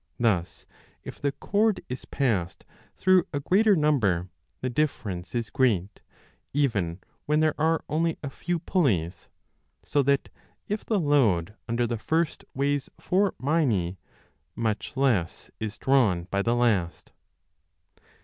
Thus if the cord is passed through a greater number, the difference is great, even when there are only a few pulleys, so that, if the load under the first weighs four minae, much less is drawn by the last.